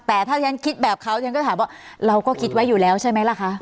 แต่ถ้าฉันคิดแบบเขาฉันก็ถามว่าเราก็คิดไว้อยู่แล้วใช่ไหมล่ะคะ